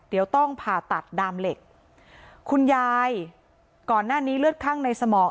เดี๋ยวต้องผ่าตัดดามเหล็กคุณยายก่อนหน้านี้เลือดข้างในสมอง